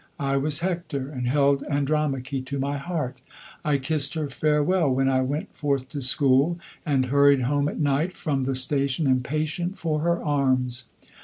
I was Hector and held Andromache to my heart. I kissed her farewell when I went forth to school, and hurried home at night from the station, impatient for her arms.